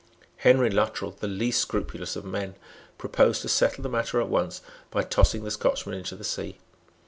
Henry Luttrell, the least scrupulous of men, proposed to settle the matter at once by tossing the Scotchman into the sea.